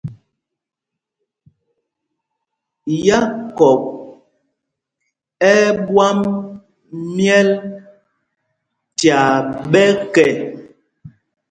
Yákɔp ɛ́ ɛ́ ɓwam myɛl tyaa ɓɛ́kɛ.